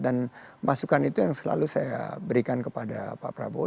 dan masukan itu yang selalu saya berikan kepada pak prabowo